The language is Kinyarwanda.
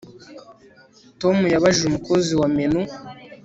Tom yabajije umukozi wa menu